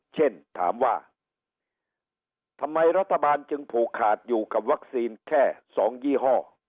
เช่นทำไมรัฐบาลถูกพูดขาดอยู่กับวัคซีนแค่สองยี่ห้อ